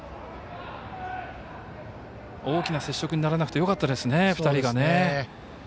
大きな接触にならなくてよかったですね、２人が。